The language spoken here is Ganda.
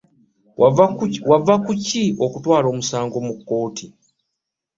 Wava ku ki okutwala omusango mu kkooti?